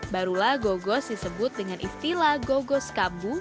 barulah gogos disebut dengan istilah gogos kambu